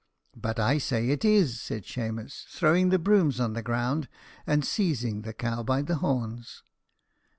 "But I say it is," said Shemus, throwing the brooms on the ground, and seizing the cow by the horns.